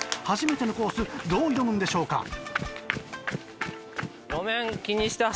初めてのコースどう挑むんでしょうか？